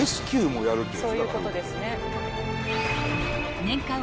そういうことですね。